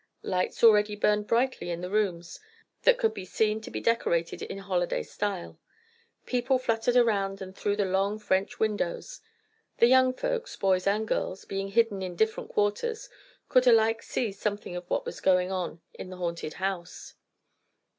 Lights already burned brightly in the rooms, that could be seen to be decorated in holiday style. People fluttered around and through the long French windows; the young folks, boys and girls, being hidden in different quarters, could alike see something of what was going on in the haunted house.